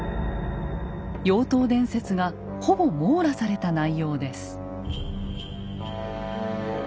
妖刀伝説がほぼ網羅された内容です。